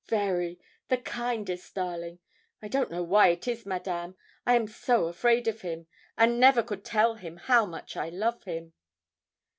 'Very the kindest darling. I don't know why it is, Madame, I am so afraid of him, and never could tell him how much I love him.'